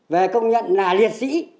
về công nhận là liệt sĩ